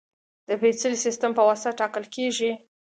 د پېچلي سیستم په واسطه ټاکل کېږي.